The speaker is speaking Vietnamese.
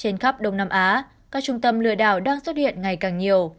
trên khắp đông nam á các trung tâm lừa đảo đang xuất hiện ngày càng nhiều